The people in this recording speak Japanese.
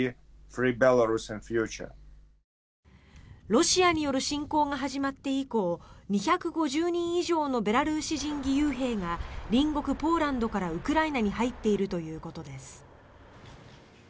ロシアによる侵攻が始まって以降２５０人以上のベラルーシ人義勇兵が隣国ポーランドからウクライナに入っているということです。